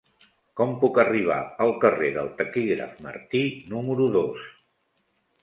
Com puc arribar al carrer del Taquígraf Martí número dos?